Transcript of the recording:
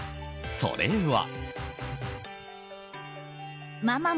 それは。